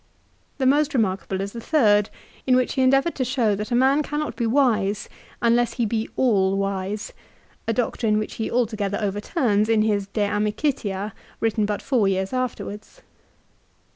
The most remarkable is the third in which he endeavoured to show that a man cannot be wise unless he be all wise, a doctrine which he altogether over turns in his " De Amicitia," written but four years afterwards.